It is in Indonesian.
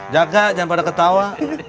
jaga jangan pada ketawa